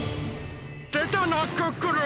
でたなクックルン！